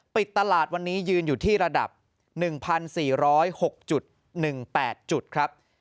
ปิดตลาดวันนี้ยืนอยู่ที่ระดับ๑๔๐๖๑๘จุดครับ